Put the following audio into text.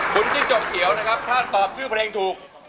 คุณจิ้งจกเขียวนะครับถ้าตอบชื่อเพลงถูก